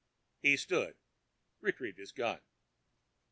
He stooped, retrieved his gun.